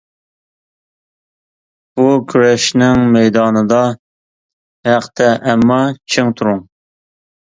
بۇ كۈرەشنىڭ مەيدانىدا، ھەقتە ئەمما چىڭ تۇرۇڭ!